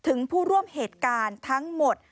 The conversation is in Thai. ถึงผู้ร่วมเหตุการณ์ทั้งหมด